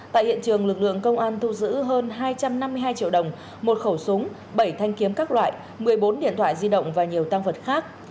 tại hiện trường lực lượng công an thu giữ hơn hai trăm năm mươi hai triệu đồng một khẩu súng bảy thanh kiếm các loại một mươi bốn điện thoại di động và nhiều tăng vật khác